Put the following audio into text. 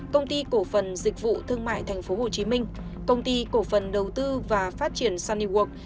công ty cổ phần dịch vụ thương mại tp hcm công ty cổ phần đầu tư và phát triển sunnyworld